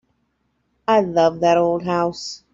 I love that old house.